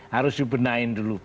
harus dibenain dulu